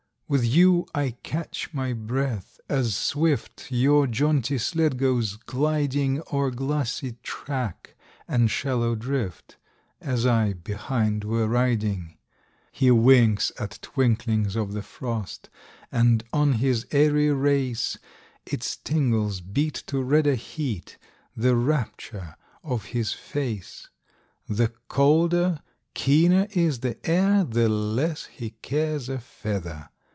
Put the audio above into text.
With you I catch my breath, as swift Your jaunty sled goes gliding O'er glassy track and shallow drift, As I behind were riding! He winks at twinklings of the frost. And on his airy race, Its tingles beat to redder heat The rapture of his face: The colder, keener is the air, The less he cares a feather.